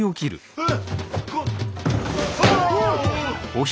えっ？